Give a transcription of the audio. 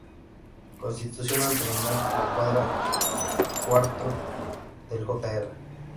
Constitución, al terminar la cuadra cuatro del Jr.